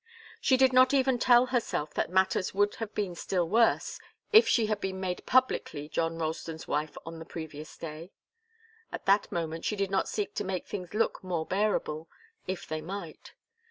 She did not even tell herself that matters would have been still worse if she had been made publicly John Ralston's wife on the previous day. At that moment she did not seek to make things look more bearable, if they might.